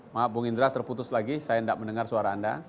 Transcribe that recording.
maaf bung indra terputus lagi saya tidak mendengar suara anda